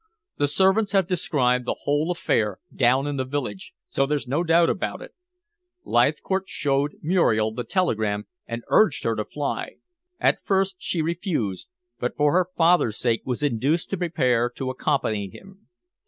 The servants have described the whole affair down in the village, so there's no doubt about it. Leithcourt showed Muriel the telegram and urged her to fly. At first she refused, but for her father's sake was induced to prepare to accompany him.